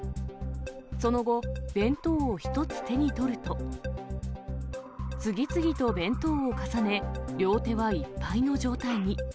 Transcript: その後、弁当を１つ手に取ると、次々と弁当を重ね、両手はいっぱいの状態に。